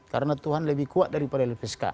karena tuhan lebih kuat dari lpsk